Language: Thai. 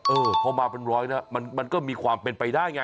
เออพอมาเป็นร้อยแล้วมันก็มีความเป็นไปได้ไง